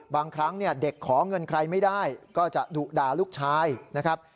บางครั้งเนี่ยเด็กขอเงินใครไม่ได้ก็จะดุด่าลูกชายนะครับ